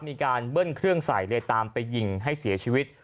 มีการเบิ้ลเครื่องใส่เลยตามไปยิงให้เสียชีวิต